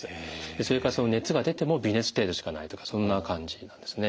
それから熱が出ても微熱程度しかないとかそんな感じなんですね。